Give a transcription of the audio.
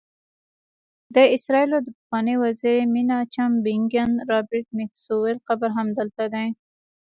د اسرائیلو د پخواني وزیر میناچم بیګین، رابرټ میکسویل قبر هم دلته دی.